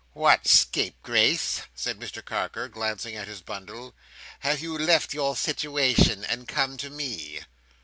"What, scapegrace!" said Mr Carker, glancing at his bundle "Have you left your situation and come to me?"